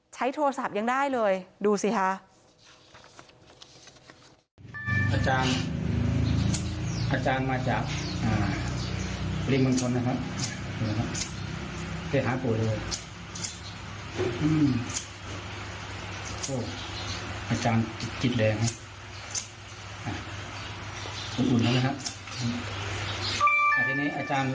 ใช้โทรศัพท์ยังได้เลยดูสิค่ะ